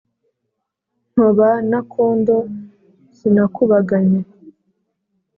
ntoba n ' akondo sinakubaganye